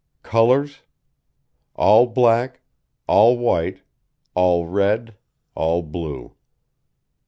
COLOURS All black, all white, all red, all blue.